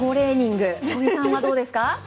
小木さんはどうですか？